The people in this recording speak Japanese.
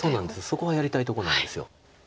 そこはやりたいとこなんです。